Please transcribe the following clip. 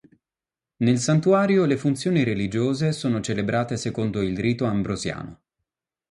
Nel santuario le funzioni religiose sono celebrate secondo il rito ambrosiano.